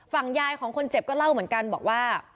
ยายของคนเจ็บก็เล่าเหมือนกันบอกว่า